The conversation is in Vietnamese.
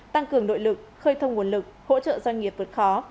tăng cường nội lực khơi thông nguồn lực hỗ trợ doanh nghiệp vượt khó